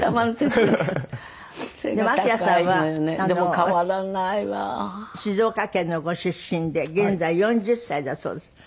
でもＡＫＩＲＡさんは静岡県のご出身で現在４０歳だそうです。